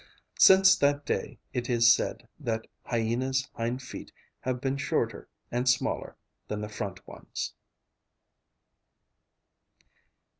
Since that day, it is said that Hyena's hind feet have been shorter and smaller than the front ones.